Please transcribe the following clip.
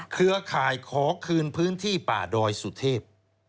เครือข่ายขอคืนพื้นที่ป่าดอยสุเทพ